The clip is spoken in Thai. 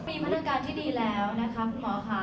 มีมาตรการที่ดีแล้วนะคะคุณหมอค่ะ